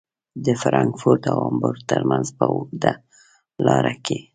د فرانکفورت او هامبورګ ترمنځ په اوږده لاره کې.